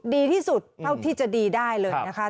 ดีที่สุดเท่าที่จะดีได้เลยนะคะ